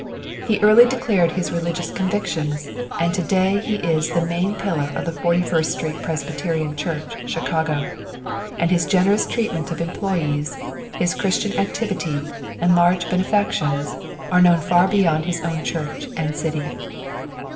He early declared his religious convictions, and to day he is the main pillar of the 41st Street Presbyterian Church, Chicago; and his generous treatment of employees, his Christian activity, and large benefactions, are known far beyond his own church and city.